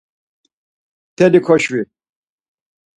Mteli koşvi.